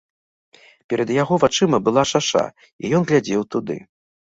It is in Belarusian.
Перад яго вачыма была шаша, і ён глядзеў туды.